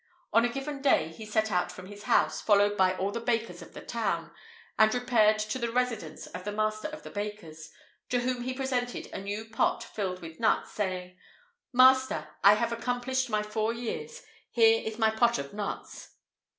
On a given day, he set out from his house, followed by all the bakers of the town, and repaired to the residence of the master of the bakers, to whom he presented a new pot filled with nuts, saying: "Master, I have accomplished my four years; here is my pot of nuts."